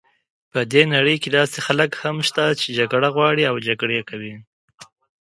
په دې نړۍ کې داسې خلک هم شته چې جګړه غواړي او جګړې کوي.